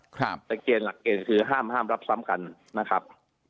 แต่เกณฑ์หลักเกณฑ์คือห้ามห้ามรับซ้ำกันนะครับ